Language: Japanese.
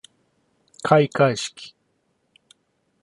開会式